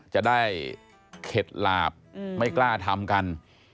จะได้เข็ดหลาบไม่กล้าทำกัน